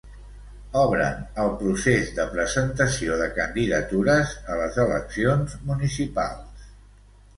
Obren el procés de presentació de candidatures a les eleccions municipals.